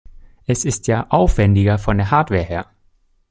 Es ist ja aufwendiger von der Hardware her.